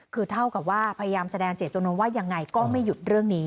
คือเท่ากับว่าพยายามแสดงเจตนว่ายังไงก็ไม่หยุดเรื่องนี้